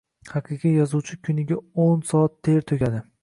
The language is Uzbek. Haqiqiy yozuvchi kuniga oʻn soat ter toʻkadi